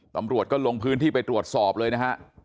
ตำรวจก็ลงพื้นที่ไปตรวจสอบเลยนะฮะ